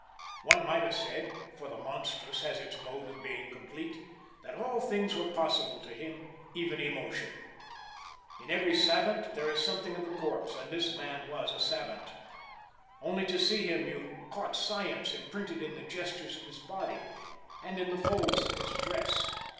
One might have said (for the monstrous has its mode of being complete) that all things were possible to him, even emotion. In every savant there is something of the corpse, and this man was a savant. Only to see him you caught science imprinted in the gestures of his body and in the folds of his dress.